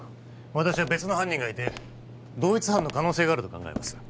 私は別の犯人がいて同一犯の可能性があると考えます